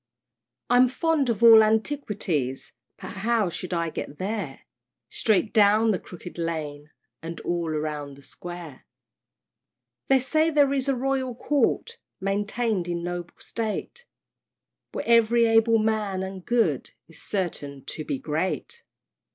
I'm fond of all antiquities, But how shall I get there? "Straight down the Crooked Lane, And all round the Square." They say there is a Royal Court Maintain'd in noble state, Where ev'ry able man, and good, Is certain to be great!